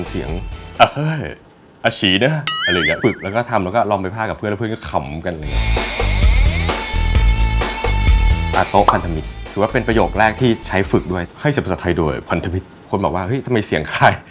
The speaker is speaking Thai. เสียงที่ดังเคยเป็นเสียง